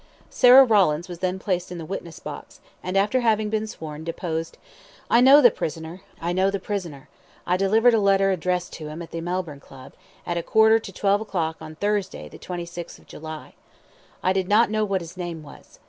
Sarah Rawlins was then placed in the witness box, and, after having been sworn, deposed I know the prisoner. I delivered a letter, addressed to him at the Melbourne Club, at a quarter to twelve o'clock on Thursday, 26th July. I did not know what his name was.